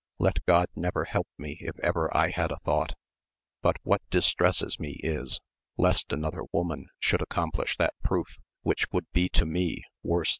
Let God never help me if ever I had such thought ! but what distresses me is, lest another woman should accomplish that proof which would be to me worse AMADI8 OF GAUL.